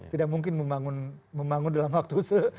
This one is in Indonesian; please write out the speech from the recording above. tidak mungkin membangun dalam waktu se